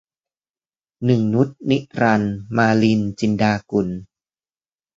หนึ่งนุช นิรันดร์ - มาลิน จินดากุล